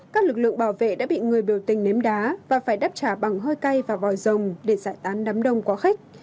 các lực lượng bảo vệ đã bị người biểu tình nếm đá và phải đáp trả bằng hơi cay và vòi rồng để giải tán đám đông quá khích